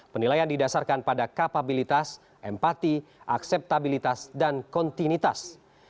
penilaian didasarkan pada kapabilitas empati akseptabilitas dan kontinuitas